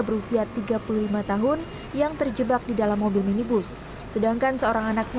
berusia tiga puluh lima tahun yang terjebak di dalam mobil minibus sedangkan seorang anaknya